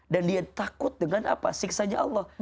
dan dia takut dengan apa siksanya allah